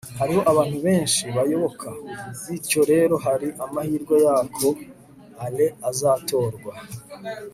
hariho abantu benshi bayoboka, bityo rero hari amahirwe yuko alain azatorwa